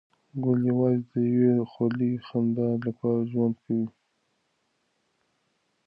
ګل یوازې د یوې خولې خندا لپاره ژوند کوي.